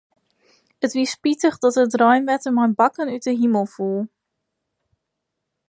It wie spitich dat it reinwetter mei bakken út 'e himel foel.